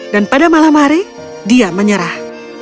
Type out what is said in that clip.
dan pada malam hari dia menyerah